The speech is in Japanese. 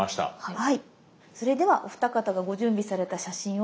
はい。